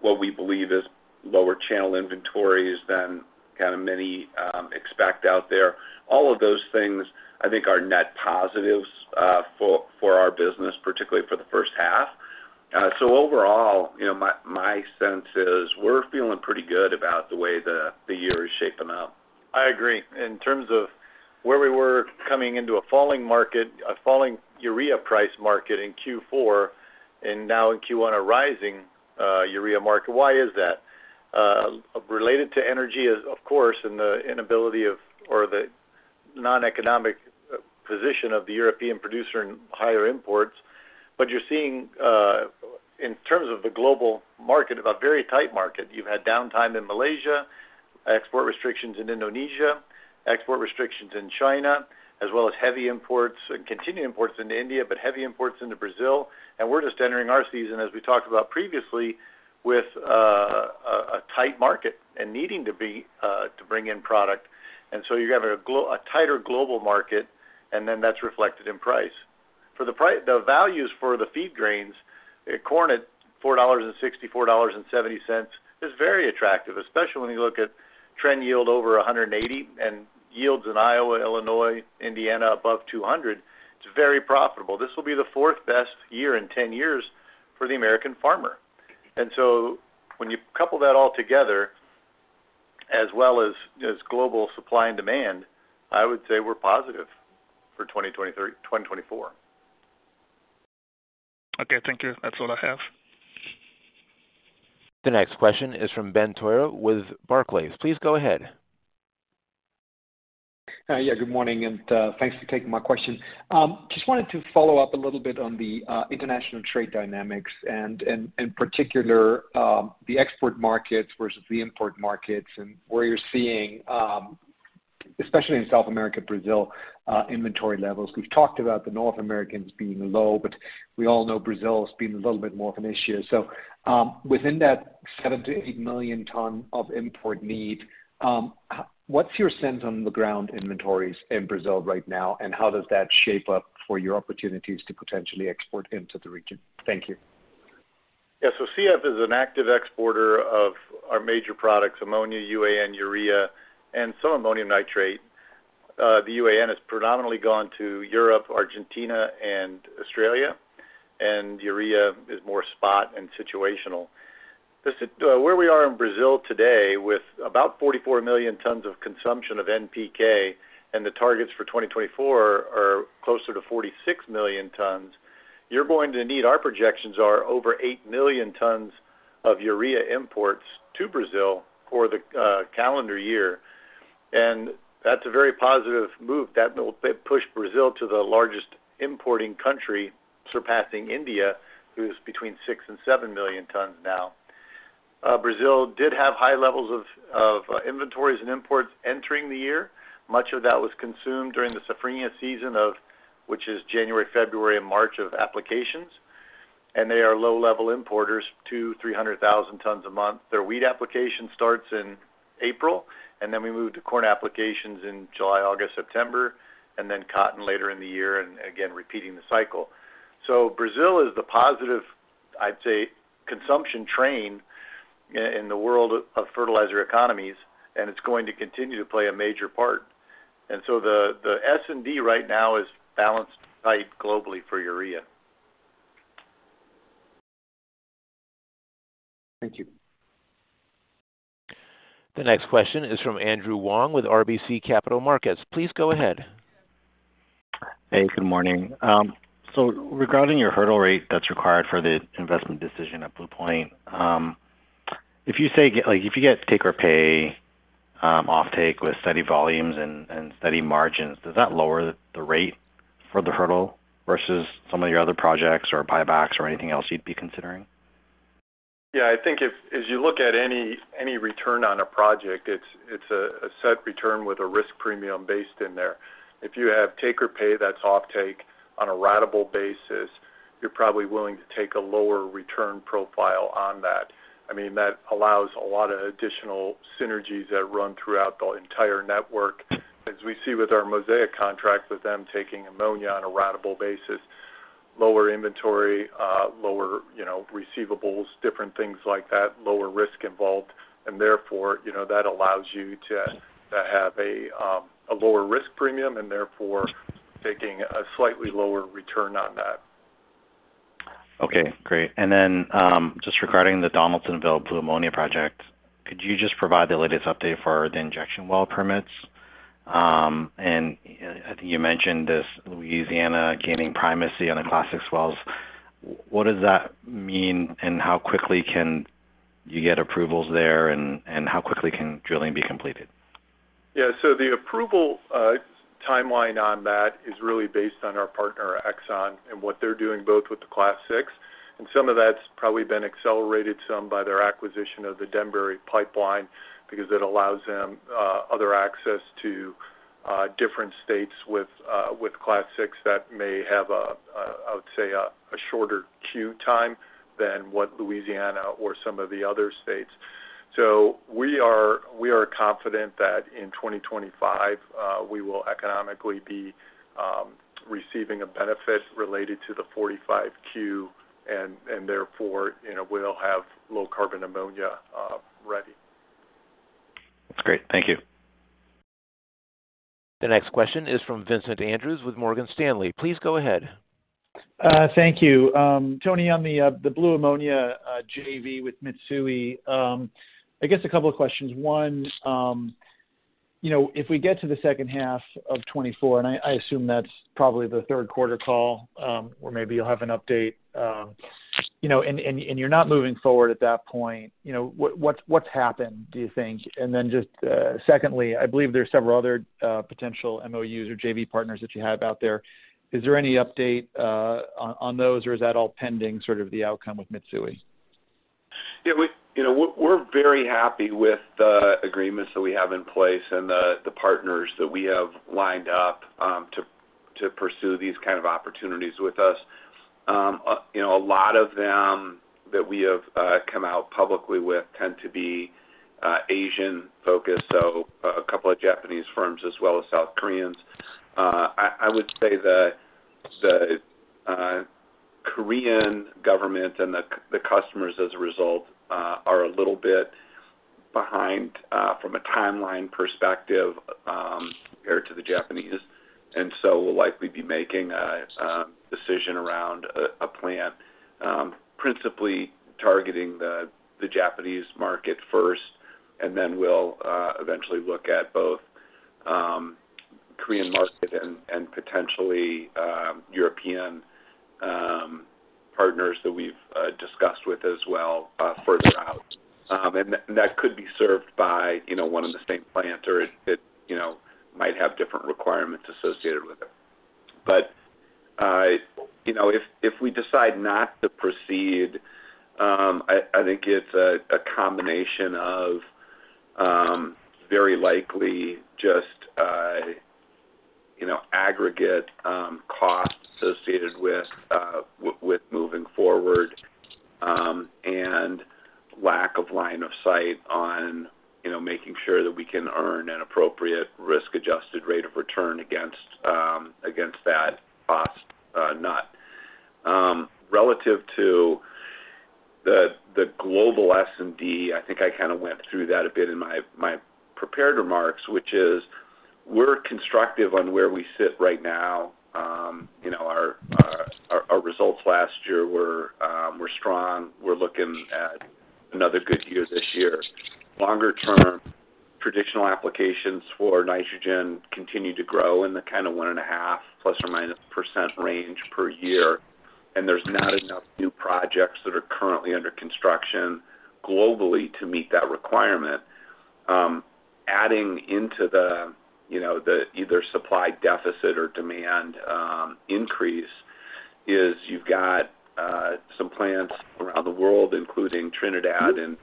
what we believe is lower channel inventories than kind of many expect out there, all of those things, I think, are net positives for our business, particularly for the first half. So overall, my sense is we're feeling pretty good about the way the year is shaping up. I agree. In terms of where we were coming into a falling urea price market in Q4 and now in Q1 a rising urea market, why is that? Related to energy, of course, and the inability of or the non-economic position of the European producer in higher imports. But you're seeing, in terms of the global market, a very tight market. You've had downtime in Malaysia, export restrictions in Indonesia, export restrictions in China, as well as heavy imports and continued imports into India but heavy imports into Brazil. And we're just entering our season, as we talked about previously, with a tight market and needing to bring in product. And so you're having a tighter global market, and then that's reflected in price. The values for the feed grains, corn at $4.60-$4.70, is very attractive, especially when you look at trend yield over 180 and yields in Iowa, Illinois, Indiana above 200. It's very profitable. This will be the fourth best year in 10 years for the American farmer. And so when you couple that all together as well as global supply and demand, I would say we're positive for 2024. Okay. Thank you. That's all I have. The next question is from Ben Torlop with Barclays. Please go ahead. Yeah. Good morning. Thanks for taking my question. Just wanted to follow up a little bit on the international trade dynamics and, in particular, the export markets versus the import markets and where you're seeing, especially in South America, Brazil, inventory levels. We've talked about the North Americans being low, but we all know Brazil has been a little bit more of an issue. Within that 7-8 million tons of import need, what's your sense on the ground inventories in Brazil right now, and how does that shape up for your opportunities to potentially export into the region? Thank you. Yeah. So CF is an active exporter of our major products, ammonia, UAN, urea, and some ammonium nitrate. The UAN has predominantly gone to Europe, Argentina, and Australia, and urea is more spot and situational. Where we are in Brazil today with about 44 million tons of consumption of NPK and the targets for 2024 are closer to 46 million tons, you're going to need our projections are over 8 million tons of urea imports to Brazil for the calendar year. And that's a very positive move. That will push Brazil to the largest importing country, surpassing India, who is between 6 and 7 million tons now. Brazil did have high levels of inventories and imports entering the year. Much of that was consumed during the safrinha season, which is January, February, and March of applications. And they are low-level importers, 200-300 thousand tons a month. Their wheat application starts in April, and then we move to corn applications in July, August, September, and then cotton later in the year and again repeating the cycle. So Brazil is the positive, I'd say, consumption train in the world of fertilizer economies, and it's going to continue to play a major part. And so the S&D right now is balanced, tight globally for urea. Thank you. The next question is from Andrew Wong with RBC Capital Markets. Please go ahead. Hey. Good morning. So regarding your hurdle rate that's required for the investment decision at Blue Point, if you say if you get take-or-pay offtake with steady volumes and steady margins, does that lower the rate for the hurdle versus some of your other projects or buybacks or anything else you'd be considering? Yeah. I think if you look at any return on a project, it's a set return with a risk premium based in there. If you have take-or-pay that's offtake on a ratable basis, you're probably willing to take a lower return profile on that. I mean, that allows a lot of additional synergies that run throughout the entire network. As we see with our Mosaic contract with them taking ammonia on a ratable basis, lower inventory, lower receivables, different things like that, lower risk involved. And therefore, that allows you to have a lower risk premium and therefore taking a slightly lower return on that. Okay. Great. And then just regarding the Donaldsonville Blue Ammonia project, could you just provide the latest update for the injection well permits? And I think you mentioned this, Louisiana gaining primacy on the Class 6 wells. What does that mean, and how quickly can you get approvals there, and how quickly can drilling be completed? Yeah. So the approval timeline on that is really based on our partner, Exxon, and what they're doing both with the Class 6. And some of that's probably been accelerated some by their acquisition of the Denbury pipeline because it allows them other access to different states with Class 6 that may have, I would say, a shorter queue time than what Louisiana or some of the other states. So we are confident that in 2025, we will economically be receiving a benefit related to the 45Q, and therefore, we'll have low-carbon ammonia ready. That's great. Thank you. The next question is from Vincent Andrews with Morgan Stanley. Please go ahead. Thank you. Tony, on the Blue Ammonia JV with Mitsui, I guess a couple of questions. One, if we get to the second half of 2024, and I assume that's probably the third-quarter call where maybe you'll have an update, and you're not moving forward at that point, what's happened, do you think? And then just secondly, I believe there's several other potential MOUs or JV partners that you have out there. Is there any update on those, or is that all pending sort of the outcome with Mitsui? Yeah. We're very happy with the agreements that we have in place and the partners that we have lined up to pursue these kind of opportunities with us. A lot of them that we have come out publicly with tend to be Asian-focused, so a couple of Japanese firms as well as South Koreans. I would say the Korean government and the customers, as a result, are a little bit behind from a timeline perspective compared to the Japanese. And so we'll likely be making a decision around a plan principally targeting the Japanese market first, and then we'll eventually look at both Korean market and potentially European partners that we've discussed with as well further out. And that could be served by one and the same plant, or it might have different requirements associated with it. But if we decide not to proceed, I think it's a combination of very likely just aggregate costs associated with moving forward and lack of line of sight on making sure that we can earn an appropriate risk-adjusted rate of return against that cost nut. Relative to the global S&D, I think I kind of went through that a bit in my prepared remarks, which is we're constructive on where we sit right now. Our results last year were strong. We're looking at another good year this year. Longer-term, traditional applications for nitrogen continue to grow in the kind of 1.5 plus or minus % range per year. And there's not enough new projects that are currently under construction globally to meet that requirement. Adding into the either supply deficit or demand increase is you've got some plants around the world, including Trinidad and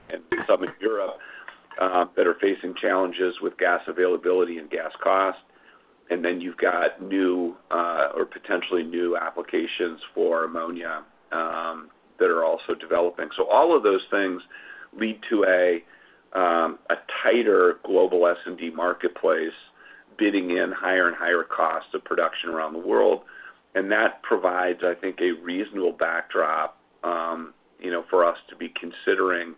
some in Europe, that are facing challenges with gas availability and gas cost. And then you've got new or potentially new applications for ammonia that are also developing. So all of those things lead to a tighter global S&D marketplace bidding in higher and higher costs of production around the world. And that provides, I think, a reasonable backdrop for us to be considering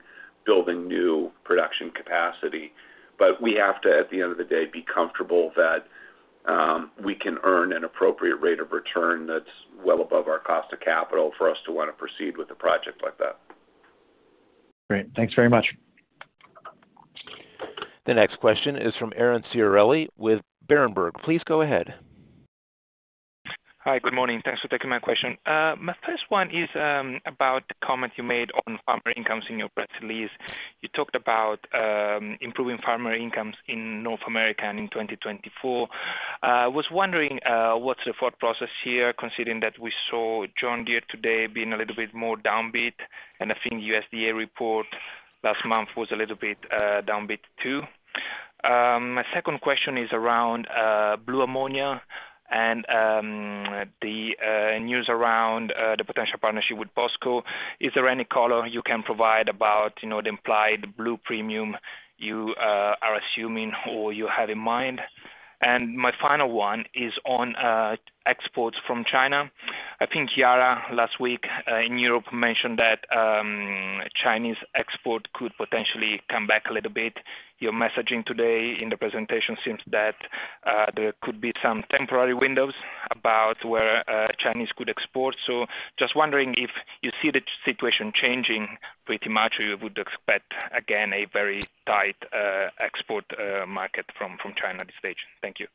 building new production capacity. But we have to, at the end of the day, be comfortable that we can earn an appropriate rate of return that's well above our cost of capital for us to want to proceed with a project like that. Great. Thanks very much. The next question is from Aron Ceccarelli with Berenberg. Please go ahead. Hi. Good morning. Thanks for taking my question. My first one is about the comment you made on farmer incomes in your press release. You talked about improving farmer incomes in North America in 2024. I was wondering what's the thought process here, considering that we saw John Deere today being a little bit more downbeat, and I think USDA report last month was a little bit downbeat too. My second question is around Blue Ammonia and the news around the potential partnership with POSCO. Is there any color you can provide about the implied blue premium you are assuming or you have in mind? And my final one is on exports from China. I think Yara last week in Europe mentioned that Chinese export could potentially come back a little bit. Your messaging today in the presentation seems that there could be some temporary windows about where China could export. So just wondering if you see the situation changing pretty much, or you would expect, again, a very tight export market from China at this stage. Thank you.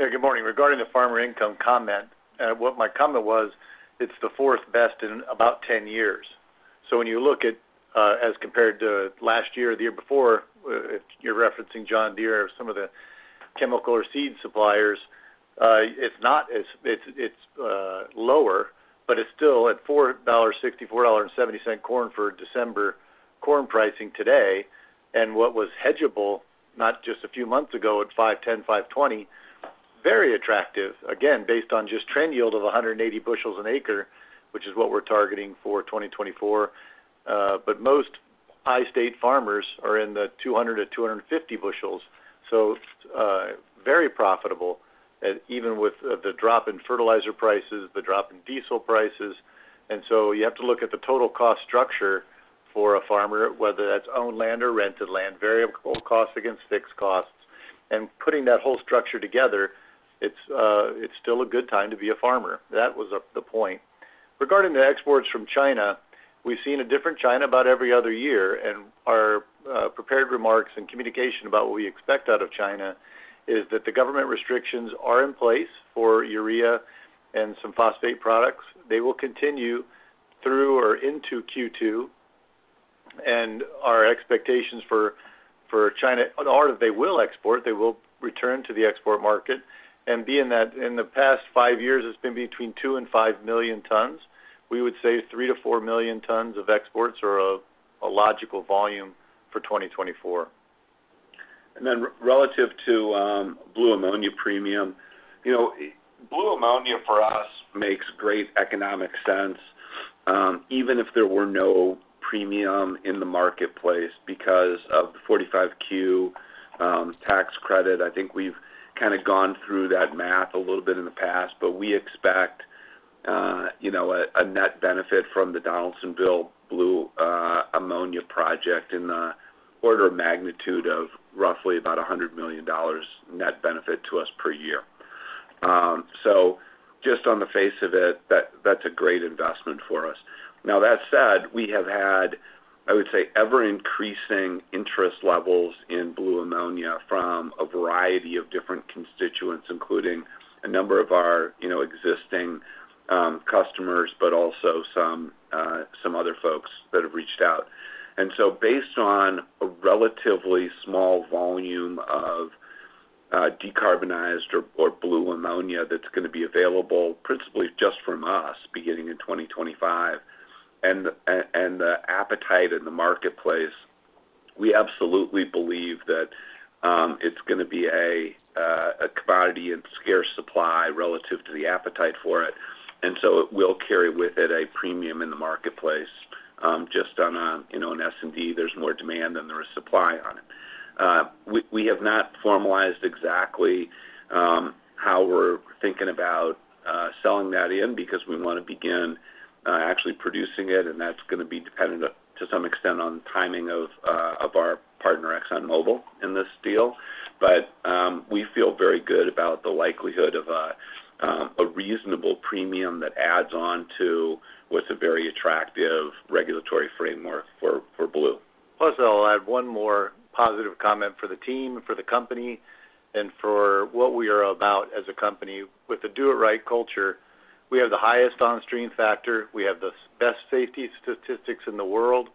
Yeah. Good morning. Regarding the farmer income comment, what my comment was, it's the fourth best in about 10 years. So when you look at as compared to last year or the year before, if you're referencing John Deere or some of the chemical or seed suppliers, it's lower, but it's still at $4.60, $4.70 corn for December corn pricing today. And what was hedgeable not just a few months ago at $5.10, $5.20, very attractive, again, based on just trend yield of 180 bushels an acre, which is what we're targeting for 2024. But most high-state farmers are in the 200-250 bushels, so very profitable even with the drop in fertilizer prices, the drop in diesel prices. And so you have to look at the total cost structure for a farmer, whether that's owned land or rented land, variable costs against fixed costs. Putting that whole structure together, it's still a good time to be a farmer. That was the point. Regarding the exports from China, we've seen a different China about every other year. Our prepared remarks and communication about what we expect out of China is that the government restrictions are in place for urea and some phosphate products. They will continue through or into Q2. Our expectations for China are that they will export. They will return to the export market. Being that in the past five years, it's been between 2-5 million tons, we would say 3-4 million tons of exports are a logical volume for 2024. Relative to Blue Ammonia premium, Blue Ammonia for us makes great economic sense even if there were no premium in the marketplace because of the 45Q Tax Credit. I think we've kind of gone through that math a little bit in the past, but we expect a net benefit from the Donaldsonville Blue Ammonia project in the order of magnitude of roughly about $100 million net benefit to us per year. Just on the face of it, that's a great investment for us. Now, that said, we have had, I would say, ever-increasing interest levels in Blue Ammonia from a variety of different constituents, including a number of our existing customers but also some other folks that have reached out. So based on a relatively small volume of decarbonized or blue ammonia that's going to be available principally just from us beginning in 2025 and the appetite in the marketplace, we absolutely believe that it's going to be a commodity in scarce supply relative to the appetite for it. It will carry with it a premium in the marketplace. Just on an S&D, there's more demand than there is supply on it. We have not formalized exactly how we're thinking about selling that in because we want to begin actually producing it, and that's going to be dependent to some extent on the timing of our partner, ExxonMobil, in this deal. We feel very good about the likelihood of a reasonable premium that adds onto what's a very attractive regulatory framework for blue. Plus, I'll add one more positive comment for the team, for the company, and for what we are about as a company. With a do-it-right culture, we have the highest on-stream factor. We have the best safety statistics in the world.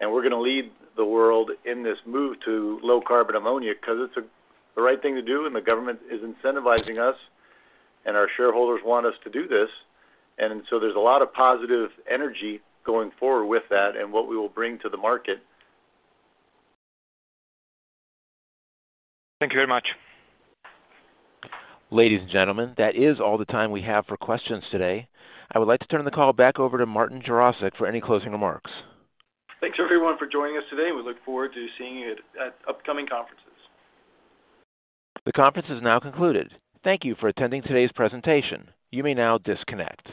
And we're going to lead the world in this move to low-carbon ammonia because it's the right thing to do, and the government is incentivizing us, and our shareholders want us to do this. And so there's a lot of positive energy going forward with that and what we will bring to the market. Thank you very much. Ladies and gentlemen, that is all the time we have for questions today. I would like to turn the call back over to Martin Jarosick for any closing remarks. Thanks, everyone, for joining us today. We look forward to seeing you at upcoming conferences. The conference is now concluded. Thank you for attending today's presentation. You may now disconnect.